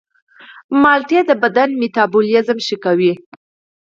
مالټې د بدن میتابولیزم ښه کوي.